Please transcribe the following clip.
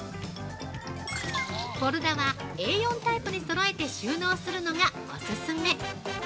フォルダはＡ４タイプにそろえて収納するのがおすすめ。